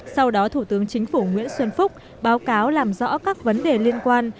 sau đó thủ tướng chính phủ nguyễn xuân phúc báo cáo làm rõ các vấn đề liên quan